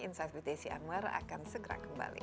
insight btc anwar akan segera kembali